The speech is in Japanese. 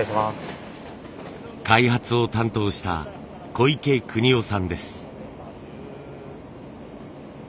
開発を担当した小池邦夫さんです。